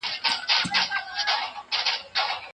صبر خوږه مېوه لري